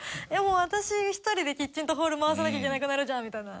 私１人でキッチンとホール回さなきゃいけなくなるじゃんみたいな。